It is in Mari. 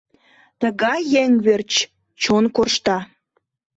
Тыгай еҥ верч чон коршта.